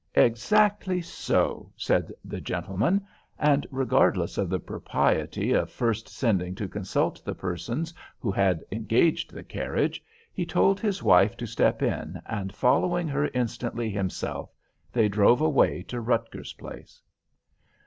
"Exactly so," said the gentleman; and regardless of the propriety of first sending to consult the persons who had engaged the carriage, he told his wife to step in, and following her instantly himself, they drove away to Rutgers Place.